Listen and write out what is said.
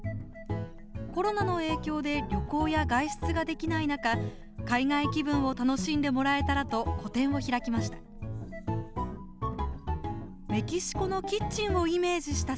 コロナの影響で旅行や外出ができない中海外気分を楽しんでもらえたらと個展を開きました。